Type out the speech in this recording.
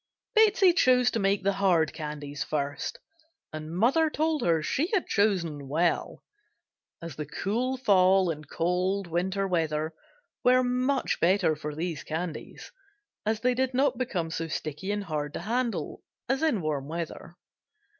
Betsey chose to make the hard candies first, and mother told her she had chosen well as the cool fall and cold winter weather were much better for these candies as they did not become so sticky and hard to handle as in warm weather.